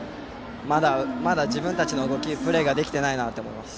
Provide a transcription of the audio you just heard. まだまだ自分たちの動きプレーができてないなと思います。